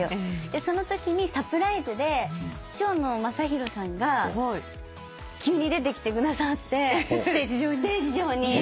そのときにサプライズで蝶野正洋さんが急に出てきてくださってステージ上に。